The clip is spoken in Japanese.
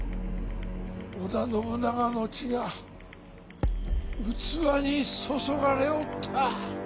織田信長の血が器に注がれおった。